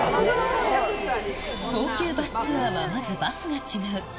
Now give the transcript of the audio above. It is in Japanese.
高級バスツアーはまずバスが違う。